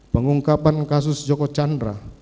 pengungkapan kasus joko chandra